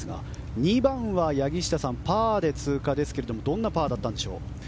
２番はパーで通過ですがどんなパーだったんでしょう。